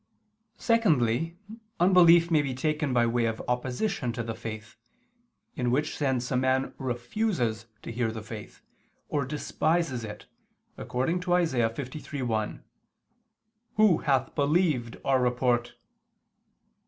Secondly, unbelief may be taken by way of opposition to the faith; in which sense a man refuses to hear the faith, or despises it, according to Isa. 53:1: "Who hath believed our report?"